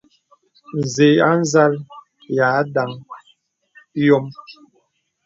Zə̀ a nzàl y à ndaŋ yōm.